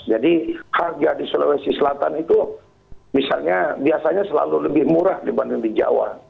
jadi harga di sulawesi selatan itu biasanya selalu lebih murah dibanding di jawa